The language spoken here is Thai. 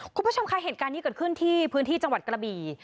คุณผู้ชมคะเหตุการณ์นี้เกิดขึ้นที่พื้นที่จังหวัดกระบี่